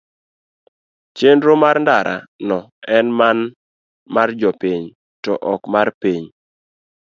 chenro mar ndara no en mana mar jopiny to ok mar piny